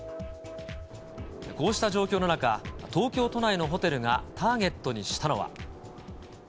こうした状況の中、東京都内のホテルがターゲットにしたのは。